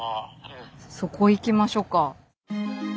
そこ行きましょうか。